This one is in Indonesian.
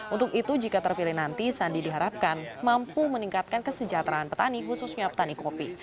untuk itu jika terpilih nanti sandi diharapkan mampu meningkatkan kesejahteraan petani khususnya petani kopi